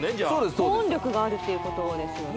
保温力があるっていうことですよね